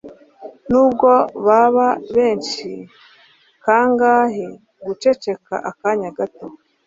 n’ubwo baba benshi kangahe guceceka akanya gato